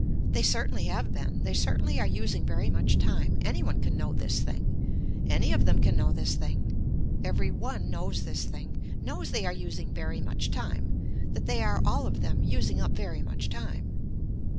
They certainly have been, they certainly are using very much time, any one can know this thing, any of them can know this thing. Every one knows this thing, knows they are using very much time, that they are all of them using up very much time.